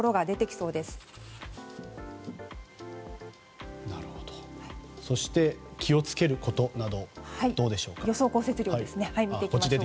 そして気を付けることはどうでしょう？